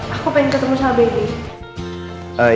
aku pengen ketemu sama baby